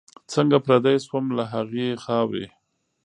څنګه پردی سوم له هغي خاوري